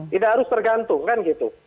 tidak harus tergantung kan gitu